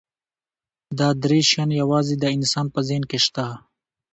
دا درې شیان یواځې د انسان په ذهن کې شته.